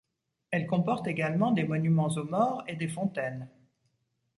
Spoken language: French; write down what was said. Elle comporte également des monuments aux morts et des fontaines.